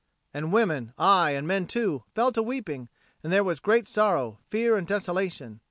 And women, aye, and men too, fell to weeping, and there was great sorrow, fear, and desolation.